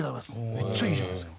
めっちゃ良いじゃないですか。